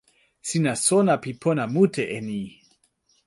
sina sona pi pona mute e ni.